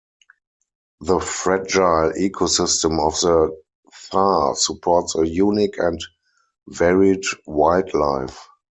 The fragile ecosystem of the Thar supports a unique and varied wildlife.